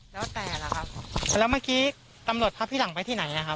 แล้วแต่ล่ะครับแล้วเมื่อกี้ตำรวจพาพี่หลังไปที่ไหนอ่ะครับ